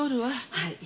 はい。